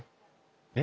えっ？